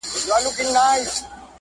ما خپله هم يو څاڅکی اوښکه احساس نکړه.